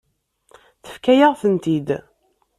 Tefka-yaɣ-tent-id.